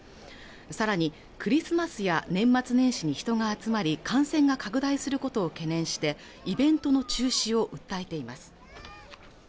さらにクリスマスや年末年始に人が集まり感染が拡大することを懸念してイベントの中止を訴えています